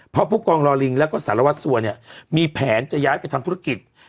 เพราะผู้กองรอลิงแล้วก็สารวัสสัวเนี่ยมีแผนจะย้ายไปทำธุรกิจ